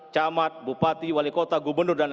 camat bupati wali kota gubernur dan